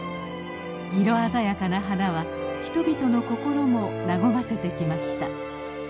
色鮮やかな花は人々の心も和ませてきました。